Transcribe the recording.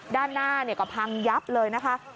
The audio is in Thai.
ด้านหน้าก็พังยับเลยนะคะ